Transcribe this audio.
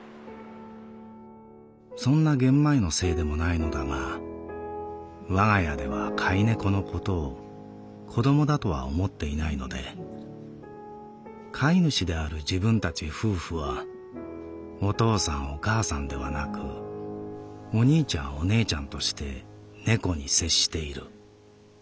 「そんなゲンマイのせいでもないのだが我が家では飼い猫のことを『子ども』だとは思っていないので飼い主である自分たち夫婦は『お父さんお母さん』ではなく『お兄ちゃんお姉ちゃん』として猫に接している」。